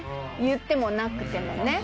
言ってもなくてもね。